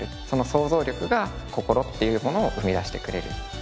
その想像力が心っていうものを生み出してくれる。